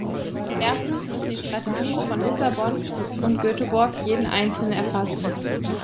Erstens müssen die Strategien von Lissabon und Göteborg jeden Einzelnen erfassen.